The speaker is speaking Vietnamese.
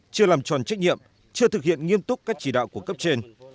chưa làm tròn trách nhiệm chưa thực hiện nghiêm túc các chỉ đạo của cấp trên